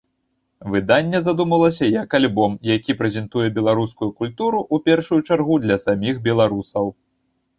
Выданне задумвалася як альбом, які прэзентуе беларускую культуру ў першую чаргу для саміх беларусаў.